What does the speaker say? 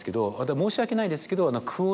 申し訳ないですけど。